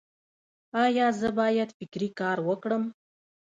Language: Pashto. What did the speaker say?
ایا زه باید فکري کار وکړم؟